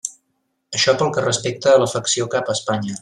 Això pel que respecta a l'afecció cap a Espanya.